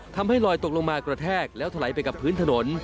ลอยตกลงมากระแทกแล้วถลายไปกับพื้นถนน